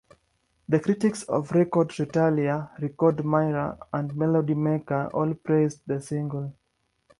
The critics of "Record Retailer", "Record Mirror" and "Melody Maker" all praised the single.